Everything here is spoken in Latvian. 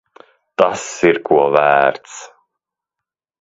Tas ir ko vērts.